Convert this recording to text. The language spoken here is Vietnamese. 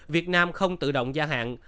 việt nam không tự động gia hạn